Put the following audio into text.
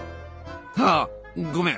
ああごめん。